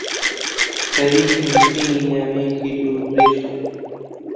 خەریکی نووسینی نامەیەکی دوورودرێژە.